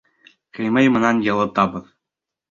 Ғимай менән йылытабыҙ.